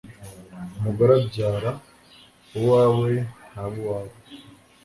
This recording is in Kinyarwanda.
umugore abyara uwawe ntaba uwawe